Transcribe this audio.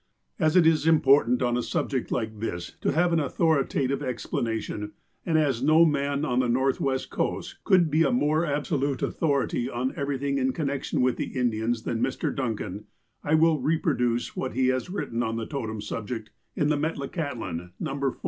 As it is important on a subject like this to have an authoritative explanation, and as no man on the North west coast could be a more absolute authority on every thing in connection with the Indians than Mr. Duncan, I will reproduce what he has written on the totem subject in The Metlakahtlan, No.